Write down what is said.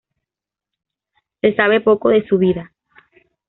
Se sabe poco de su vida.